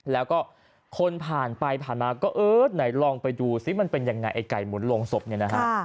แล้วก็คนผ่านไปผ่านมาก็เออไหนลองไปดูซิมันเป็นยังไงไอ้ไก่หมุนลงศพเนี่ยนะฮะ